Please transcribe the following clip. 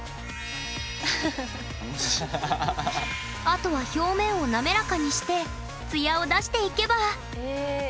あとは表面を滑らかにしてツヤを出していけば。